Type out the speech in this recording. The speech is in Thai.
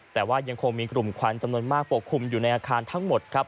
แต่ว่ายังคงมีกลุ่มควันจำนวนมากปกคลุมอยู่ในอาคารทั้งหมดครับ